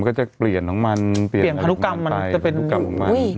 มันก็จะเปลี่ยนของมันเปลี่ยนพนุกรรมของมันไป